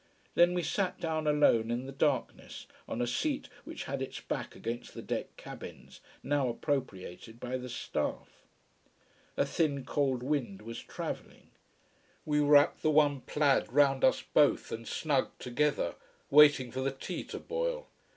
Then we sat down alone in the darkness, on a seat which had its back against the deck cabins, now appropriated by the staff. A thin, cold wind was travelling. We wrapped the one plaid round us both and snugged together, waiting for the tea to boil.